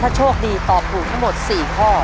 ถ้าโชคดีตอบถูกทั้งหมด๔ข้อ